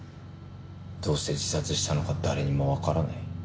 どうして自殺したのか誰にもわからない。